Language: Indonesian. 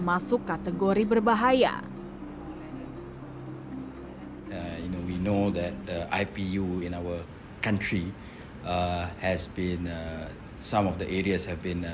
masuk kategori berbahaya hai yang binaudet ipu in our country has been some of the areas have been